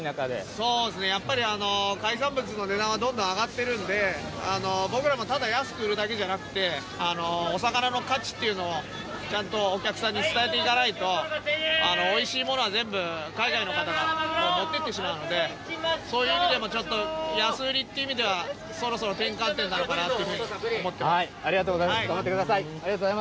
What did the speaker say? そうですね、やっぱり海産物の値段はどんどん上がってるんで、僕らもただ安く売るだけじゃなくて、お魚の価値っていうのをちゃんとお客さんに伝えていかないと、おいしいものは全部、海外の方が持ってってしまうので、そういう意味でも、ちょっと、安売りっていう意味では、そろそろ転換点なのかなというふうに思ありがとうございます、頑張ってください。